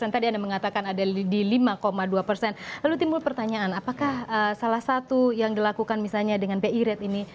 tadi anda mengatakan ada di lima dua persen lalu timbul pertanyaan apakah salah satu yang dilakukan misalnya dengan bi rate ini